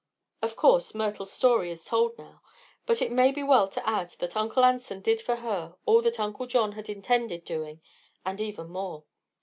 Of course Myrtle's story is told, now. But it may be well to add that Uncle Anson did for her all that Uncle John had intended doing, and even more.